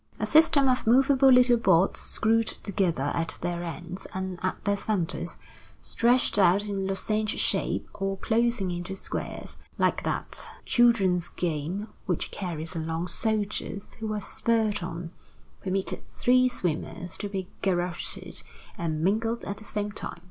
A system of movable little boards screwed together at their ends and at their centers, stretched out in lozenge shape or closing into squares, like that children's game which carries along soldiers who are spurred on, permitted three swimmers to be garroted and mangled at the same time.